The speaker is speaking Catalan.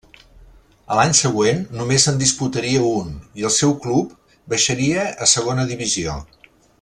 A l'any següent només en disputaria un, i el seu club baixaria a Segona Divisió.